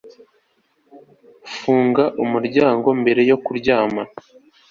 Funga umuryango mbere yo kuryama